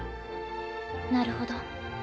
なるほど。